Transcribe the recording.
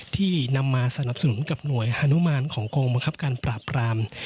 ที่นำมาสนับสนุนกับหน่วยฮานุมานของกองบังคับการปราบราม